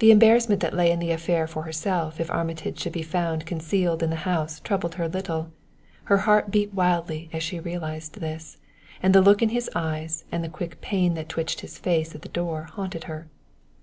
The embarrassment that lay in the affair for herself if Armitage should be found concealed in the house troubled her little. Her heart beat wildly as she realized this; and the look in his eyes and the quick pain that twitched his face at the door haunted her.